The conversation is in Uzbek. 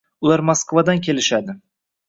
Ular Moskvadan kelishadi